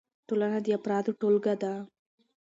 ټولنه د افرادو ټولګه ده.